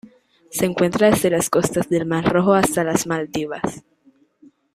Se encuentra desde las costas del Mar Rojo hasta las Maldivas.